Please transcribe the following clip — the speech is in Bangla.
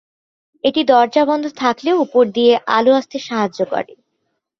এটি দরজা বন্ধ থাকলেও উপর দিয়ে আলো আসতে সাহায্য করে।